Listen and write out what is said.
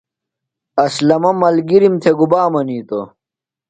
اسلمہ ملگرِم تھےۡ گُبا منِیتوۡ ؟